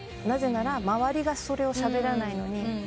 なぜなら周りがそれをしゃべらないのに。